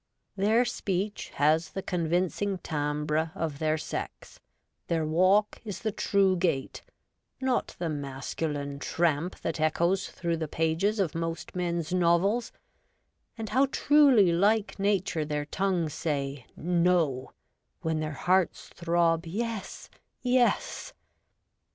Their speech has the convincing timbre of their sex ; their walk is the true gait, not the masculine tramp that echoes through the pages of most men's novels ; and how truly like nature their tongues say ' No,' when their hearts throb ' Yes, yes!'